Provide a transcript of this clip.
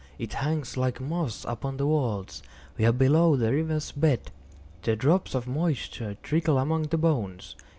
It hangs like moss upon the vaults. We are below the river's bed. The drops of moisture trickle among the bones.